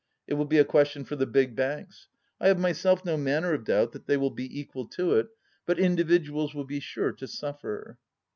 It will be a question for the big banks. I have myself no manner of doubt that they will be equal to it; but individuals will be sure to suffer.